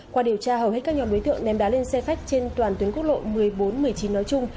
qua điều tra hầu hết các nhóm đối tượng ném đá lên xe khách trên toàn tuyến quốc lộ một mươi bốn một mươi chín nói chung